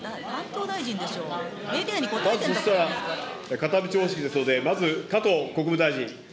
片道方式ですので、まず加藤国務大臣。